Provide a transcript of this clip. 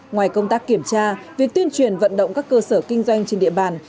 ngoài công tác kiểm tra việc tuyên truyền vận động các cơ sở kinh doanh trên địa bàn